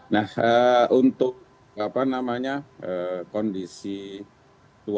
nah untuk apa namanya kondisi wajah di arab saudi ya